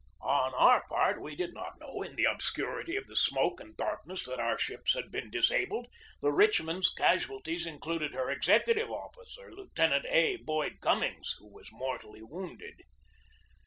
On our part we did not know in the obscurity of the smoke and darkness that our ships had been disabled. The Richmond's casual ties included her executive officer, Lieutenant A. Boyd Gummings, who was mortally wounded.